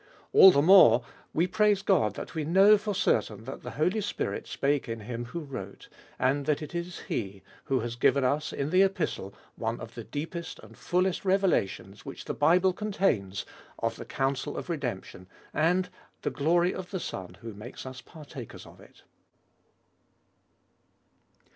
All the more we praise God that we know for certain that the Holy Spirit spake in him who wrote, and that it is He who has given us in the Epistle one of the deepest and fullest revelations which the Bible contains of the counsel of redemption, and the glory of the Son who makes us partakers of it.